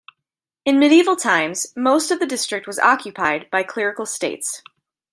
In medieval times most of the district was occupied by clerical states.